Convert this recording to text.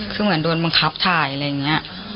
คือเหมือนโดนบังคับถ่ายอะไรอย่างนี้